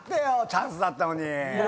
チャンスだったのに。